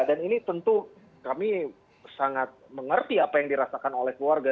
dan ini tentu kami sangat mengerti apa yang dirasakan oleh keluarga